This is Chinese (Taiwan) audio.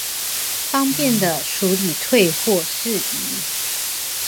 方便地處理退貨事宜